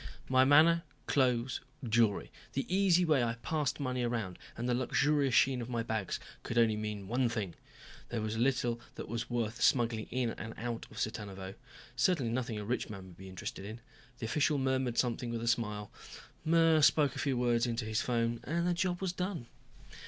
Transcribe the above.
My manner, clothes, jewelry, the easy way I passed money around and the luxurious sheen of my bags, could mean only one thing. There was little that was worth smuggling into or out of Cittanuvo. Certainly nothing a rich man would be interested in. The official murmured something with a smile, spoke a few words into his phone, and the job was done.